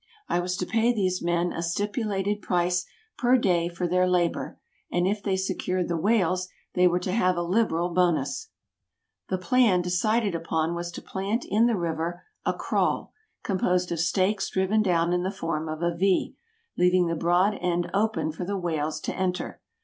I was to pay these men a stipulated price per day for their labor, and if they secured the whales, they were to have a liberal bonus. [Illustration: CAPTURING WHITE WHALES.] The plan decided upon was to plant in the river a "kraal," composed of stakes driven down in the form of a V, leaving the broad end open for the whales to enter.